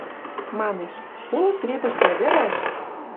Манеш: «Улы светӹштӹ ӹдӹрӓш...»